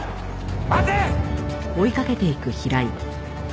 待て！